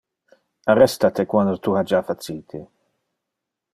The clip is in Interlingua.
Arresta te quando tu ha ja facite.